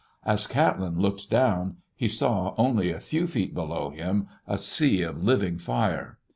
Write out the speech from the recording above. As Catlin looked down he saw, only a few feet below him, a sea of living fire.